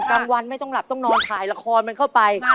กลางวันไม่ต้องหลับต้องนอนถ่ายละครมันเข้าไป